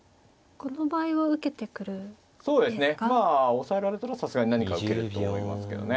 押さえられたらさすがに何か受けると思いますけどね。